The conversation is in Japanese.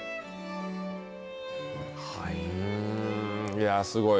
いや、すごい。